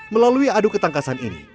melalui adu ketangkasan ini